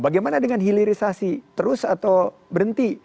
bagaimana dengan hilirisasi terus atau berhenti